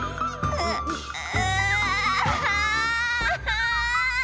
うう。